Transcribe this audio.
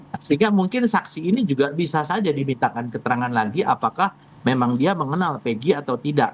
sehingga mungkin saksi ini juga bisa saja diberitakan keterangan lagi apakah memang dia mengenal pg atau tidak